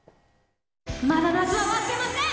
まだ夏は終わってません。